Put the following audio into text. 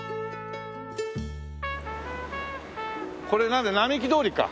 これなんだ並木通りか。